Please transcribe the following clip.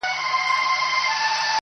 پروت لا پر ساحل ومه توپان راسره وژړل؛